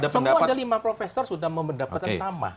semua ada lima profesor sudah mendapatkan sama